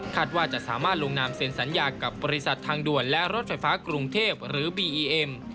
ว่าจะสามารถลงนามเซ็นสัญญากับบริษัททางด่วนและรถไฟฟ้ากรุงเทพหรือบีอีเอ็ม